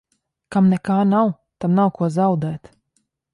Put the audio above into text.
Kam nekā nav, tam nav ko zaudēt.